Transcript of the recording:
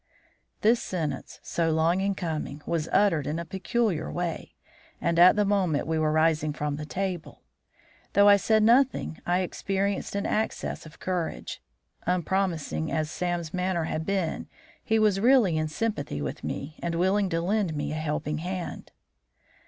This sentence, so long in coming, was uttered in a peculiar way, and at the moment we were rising from table. Though I said nothing, I experienced an access of courage. Unpromising as Sam's manner had been, he was really in sympathy with me, and willing to lend me a helping hand.